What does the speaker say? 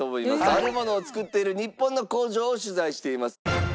ある物を作っている日本の工場を取材しています。